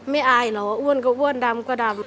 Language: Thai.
อายเหรออ้วนก็อ้วนดำก็ดำ